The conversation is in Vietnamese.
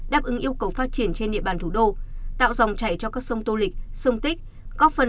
đáp ứng yêu cầu phát triển trên địa bàn thủ đô tạo dòng chảy cho các sông tô lịch sông tích góp phần